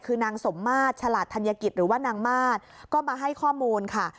คือนางสมมาตรฉลาดธัญกิจหรือว่านางมาสก็มาให้ข้อมูลค่ะ